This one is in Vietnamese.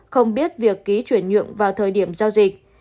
không biết việc ký chuyển nhượng vào thời điểm giao dịch